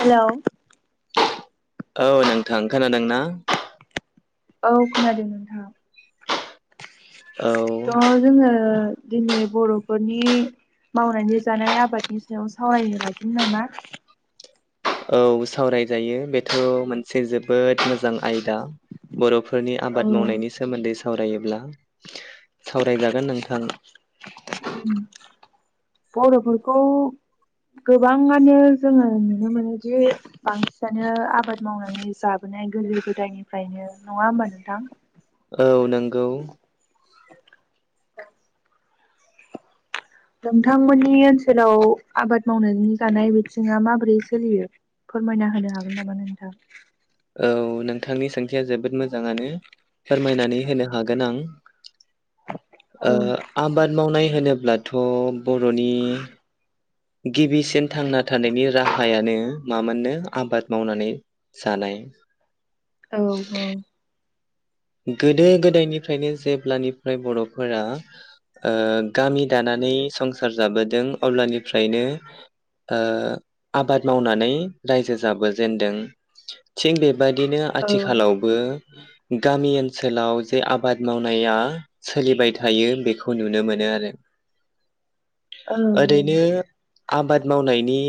Hello औ नोंथां खोनादोंना? औ खोनादों नोंथां औ ।। थ' जोङो दिनै बर'फोरनि मावनानै जानाय आबादनि सायाव सावरायनो लादिनि नामा? औ सावरायजायो बेथ' मोनसे जोबोद मोजां आयदा बर' फोरनि आबाद उम मावनायनि सोमोन्दै सा वरायोब्ला सावरायजागोन नोंथां । बर'फोरखौ गोबाङानो जोङो नुनो मोनोदि बांसिनानो आबाद मावनानै जाबोनाय गोदो गोदायनिफ्रायनो नङा होमबा नोंथां । औ नंगौ नोंथांमोननि ओनसोलाव आबाद मावनायनि जानाय बिथिङा माबोरै सोलियो फोरमायना होनो हागोन नामा नोंथां? औ नोंथांनि सोंथिया जोबोद मोजाङानो फोरमायनानै होनो हागोन आं । ओ नोंथां आबाद मावनाय होनोब्ला थ' बर'नि गिबिसिन थांना थानायनि राहायानो मामोननो आबाद मावनानै जानाय । औ औ गोदो गोदायनिफ्रायनो जेब्लानिफ्राय बर'फोरा ओ गामि दानानै संसार जाबोदों अब्लानिफ्रायनो ओ आबाद मावनानै रायजो जाबोजेनदों । थिग बे बायदिनो औ आथिखालावबो [unintelligible] गामि ओनसोलाव जे आबाद मावनाया सोलिबाय थायो बेखौ नुनो मोनो आरो । ओरैनो आबाद मावनायनि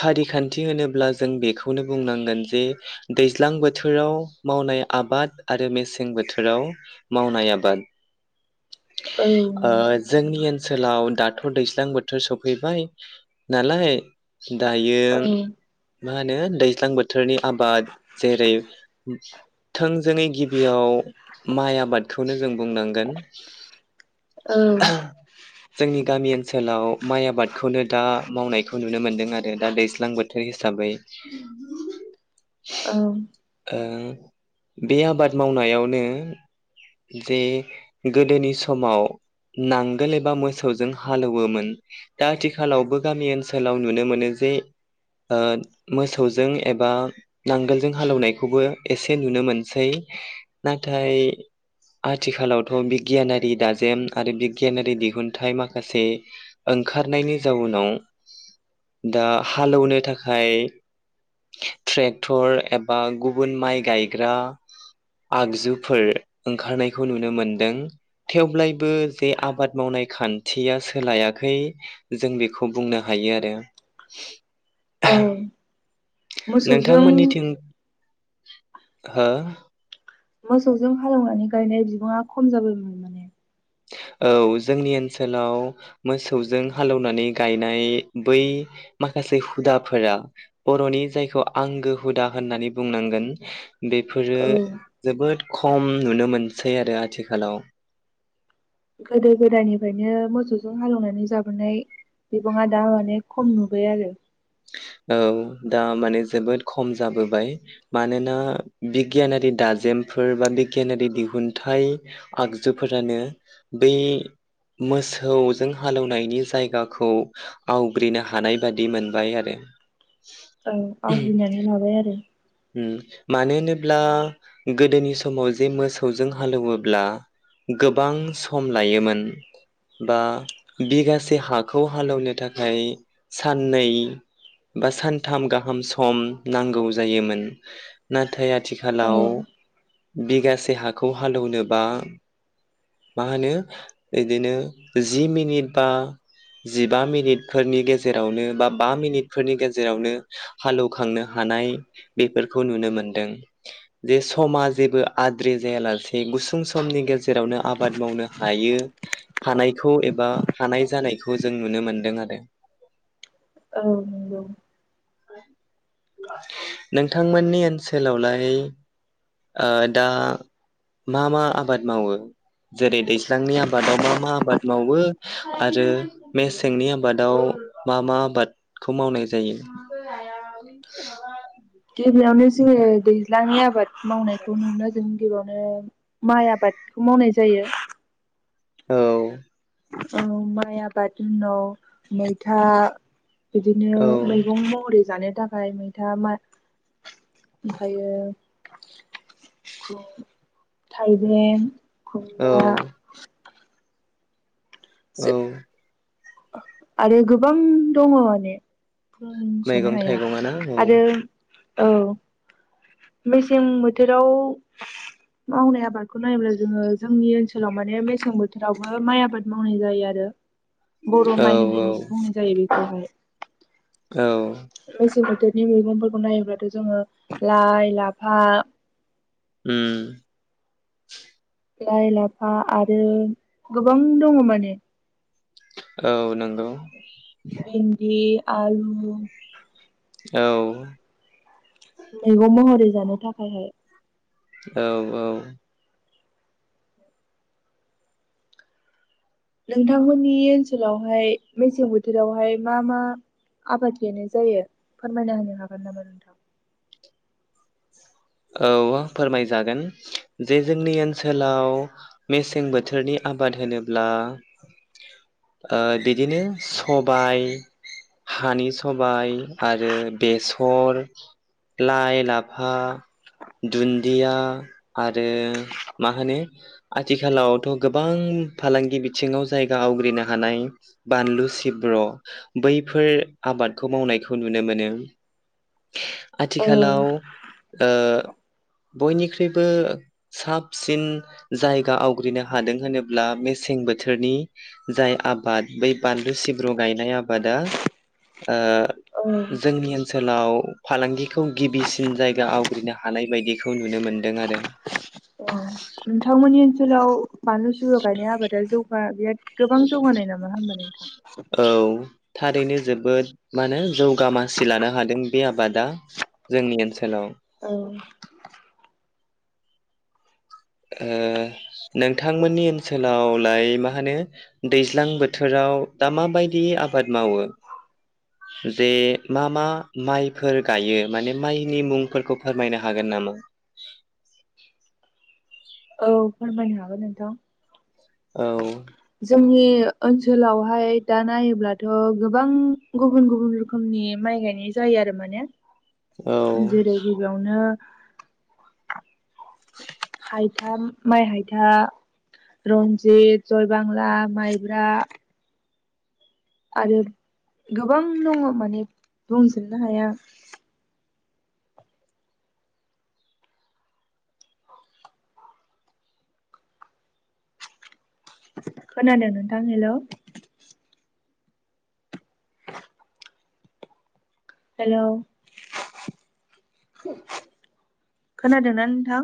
फारिखान्थि होनोब्ला जों बेखौनो बुंनांगोन जे दैज्लां बोथोराव मावनाय आबाद आरो मेसें बोथोराव मावनाय आबाद औ ओ जोंनि ओन सोलाव दाथ' दैस्लां बोथोर सफैबाय नालाय दायो औ औ मा होनो दैज्लां बोथोरनि आबाद जेरै थों जोंनि गिबियाव माइ आबादखौनो जों बुंनांगोन‌ औ [unintelligible] जोंनि गामि सोलाव माइ आबादखौनो दा मावनायखौ नुनो मोन्दों आरो दा दैस्लां बोथोर हिसाबै । औ । बे आबाद मावनायावनो जे गोदोनि समाव नांगोल एबा मोसौजों हालेवोमोन दा आथिखालावबो गामि ओनसोलाव नुनो मोनो जे ओ मोसौजों एबा नांगोलजों हालौवनायखौबो एसे नुनो मोनसै नाथाय आथिखालावथ' बिगियानारि दाजेम आरो बिगियानारि दिहुनथाइ माखासे ओंखारनायनि जाउनाव दा हालौनो थाखाय ट्रेक्टर एबा गुबुन माइ गाय ग्रा आगजुफोर ओंखारनायखौ नुनो मोनदों थेव्लायबो जे आबाद मावनाय खान्थिया सोलायाखै जों बेखौ बुंनो हायो आरो । औ मोसौजों नोंथांमोननिथिं [inaudible] हो मोसौजों हालेवनानै गायनाय बिबाङा खम जाबायमोन माने औ जोंनि ओनसोलाव मोसौजों हालौनानै गायनाय बै माखासे हुदाफोरा बर'नि जायखौ आंगो हुदा होननानै बुंनांगोन बेफोरो औ जोबोद खम नुनो मोनसै आरो आथिखालाव । गोदो गोदायनिफायनो मोसौजों हालौवनानै जाबोनाय बिबाङा दा माने खम नुबाय आरो । औ दा माने जोबोद खम जाबोबाय मानोना बिगियानारि दाजेमफोर बा बिगियानारि दिहुनथाइ आगजुफोरानो बै मोसौजों हालेवनायनि जायगाखौ आवग्रिनो हानाय बादि मोन बाय आरो औ आवग्रिनानै लाबाय आरो उम मानो होनोब्ला गोदोनि समाव जे मोसौजों हालौवोब्ला गोबां सम लायोमोन बा बिगासे हाखौ हालौवनो थाखाय साननै बा सानथाम गाहाम सम नांगौ जायोमोन। ना नाथाय औ आथिखालाव बिगासे हाखौ हालेनोबा मा होनो इदिनो जि मिनिट बा जिबा मिनिटफोरनि गेजेरावनो बा बा मिनिटफोरनि गेजेरावनो हालौखांनो हानाय बेफोरखौ नुनो मोनदों जे समा जेबो आद्रि जायालासे गुसुं समनि गेजेराव रावनो आबाद मावनो हायो हानायखौ एबा हानाय जानायखौ जों नुनो मोनदों आरो। औ नंगौ [inaudible] नोंथांमोननि ओनसोलावलाय ओ दा मा मा आबाद मावो जेरै दैज्लांनि आबादाव मा मा आबाद मावो आरो मेसेंनि आबादाव मा मा आबादखौ मावनाय जायो? गिबियावनो जोङो दैज्लांनि आबाद मावनायखौ नुनो जों गिबियावनो माइ आबादखौ मावनाय जायो औ औ माइ आबादनि नाव मैथा बिदिनो औ मैगं महरै जानो नि थाखाय मैथा मा ओमफायो ओ थाइबें औ खुमब्रा औ आरो गोबां दङ ने जनो मैगं हाया थाइगंआ ना औ आरो औ मेसें बोथोराव मावनाय आबादखौ नायोब्ला जोंङो जोंनि ओनसोलाव माने मेसें बोथोरावबो माइ आबाद मावनाय जायो आरो बर' औ माइ होननायनि जि औ बुंनाय जायो बेखौहाय औ मेसें बोथोरनि मैगंफोरखौ नायोब्लाथ' जोङो लाइ लाफा उम लाइ लाफा आरो गोबां दङ माने औ नोंगौ भिन्दि आलु औ मैगं महरै जानो थाखायहाय औ-औ नोंथांमोननि ओनसोलावहाय मेसें बोथोरावहाय मा मा आबाद गनाय जायो फोरमायना होनो हागोन नामा नोंथां? औ फोरमायजागोन जे जोंनि ओनसोलाव मेसें बोथोरनि आबाद होनोब्ला ओ बिदिनो सबाय हानि सबाय आरो बेसर लाइ लाफा दुन्दिया आरो मा होनो आथिखालावथ' गोबां फालांगि बिथिङाव जायगा आवग्रिनो हानाय बानलु सिब्र' बैफोर आबादखौ मावनायखौ नुनो मोनो। औ आथिखालाव ओ बयनिख्रुइबो साबसिन जायगा आवग्रिनो हादों होनोब्ला मेसें बोथोरनि जाय आबाद बै बानलु सिब्रु गायनाय आबादा ओ औ जोंनिल सोलाव फालांगिखौ गिबिसिन जायगा आव ग्रिनो हानाय बायदिखौ नुनो मोन्दों आरो। औ नोंथांमोनि ओन जोलाव बानलु सिब्रु गाइनाय‌ ख बा बिराद गोबां जौगानाय नामा होमबा नोंथाङा? औ थारैनो जोबोद मा होनो जौगा मासि लानो हादों बे आबादा जोंनि ओनसो औ ओ नोंथांमोननि ओनसोलावलाय मा होनो दैज्लां बोथोराव दा माबायदि आबाद मावो जे मा मा माइफोर गायो माने माइनि मुंफोरखौ फोरमायनो हागोन नामा? औ फोरमायनो हागोन नोंथां। औ जोंनि ओनसोलावहाय दा नायोब्लाथ' गोबां गुबुन गुबुन रोखोमनि माइ गायनाय जायो आरो माने। औ जेरै गिबियावनो हायथा माइ हायथा रनज जि जयबांला माइब्रा आरो गोबां दङ माने बुंजोबनो हाया। खोनादों नोंथां हेल'। हेल' खोनादोंना नोंथां?